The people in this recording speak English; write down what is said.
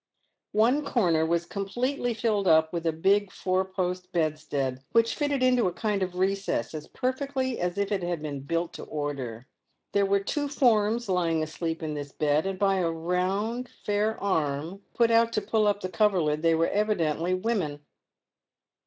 One corner was completely filled up with a big four post bedstead, which fitted into a kind of recess as perfectly as if it had been built to order. There were two forms lying asleep in this bed, and by a round, fair arm, put out to pull up the coverlid, they were evidently women.